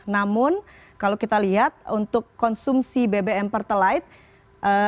namun kalau kita lihat untuk konsumsi bbm pertalite